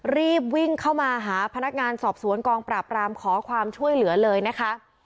รีบวิ่งเข้ามาหาพนักงานสอบสวนกองปราบรามขอความช่วยเหลือเลยนะคะ